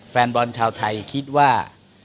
แฟนบอลชาวไทยคิดว่า